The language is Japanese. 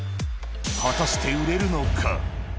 果たして売れるのか。